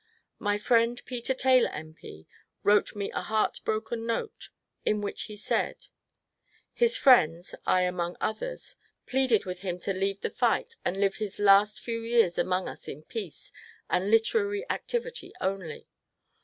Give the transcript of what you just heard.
My friend Peter Taylor M. P. wrote me a heart broken note, in which he said :— His friends — I among others — pleaded with him to leave the fight, and live his last few years among us in peace and literary activity only.